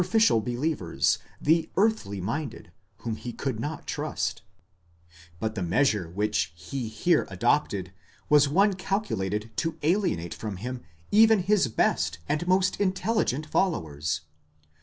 375 ficial believers, the earthly minded, whom he could not trust; but the measure which he here adopted was one calculated to alienate from him even his best and most intelligent followers.